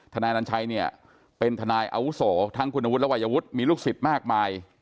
นายอนัญชัยเนี่ยเป็นทนายอาวุโสทั้งคุณวุฒิและวัยวุฒิมีลูกศิษย์มากมาย